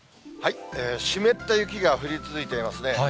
湿った雪が降り続いていますね。